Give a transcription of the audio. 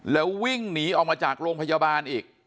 แล้ววิ่งหนีออกมาจากโรงพยาบาลอีก